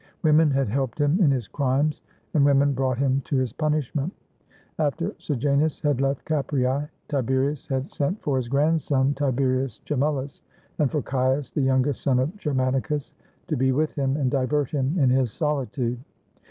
Women had helped him in his crimes, and wo men brought him to his punishment. After Sejanus had left Caprese, Tiberius had sent for his grandson Tiberius Gemellus, and for Caius, the youngest son of Germani cus, to be with him and divert him in his soHtude.